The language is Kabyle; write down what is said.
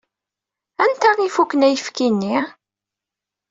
Anta i ifuken ayefki-nni?